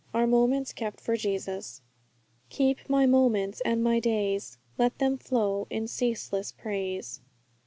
Our Moments kept for Jesus. 'Keep my moments and my days; _Let them flow in ceaseless praise.'